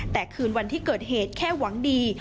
แต่คืนวันที่เกิดเหตุแค่หวังดี